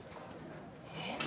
えっ？